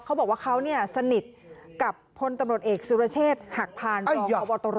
เขาบอกว่าเขาสนิทกับพลตำรวจเอกสุรเชษฐ์หักพานรองพบตร